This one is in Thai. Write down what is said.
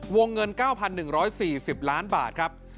วงเงินเก้าพันหนึ่งร้อยสี่สิบล้านบาทครับ